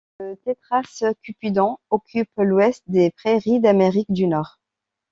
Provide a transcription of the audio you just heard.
Le Tétras cupidon occupe l’ouest des prairies d’Amérique du Nord.